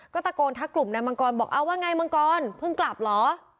ก็ตะโกนทักกลุ่มนายมังกรบอกเอาว่าไงมังกรเพิ่งกลับเหรอ